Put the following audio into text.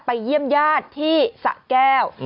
เยี่ยมญาติที่สะแก้ว